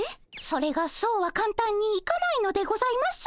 それがそうはかんたんにいかないのでございます。